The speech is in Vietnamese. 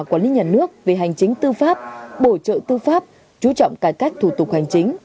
quản lý nhà nước về hành chính tư pháp bổ trợ tư pháp chú trọng cải cách thủ tục hành chính